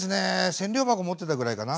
千両箱持ってたぐらいかな。